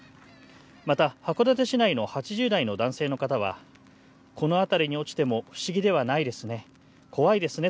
また函館市内の８０代の男性の方は、この辺りに落ちても不思議ではないですね。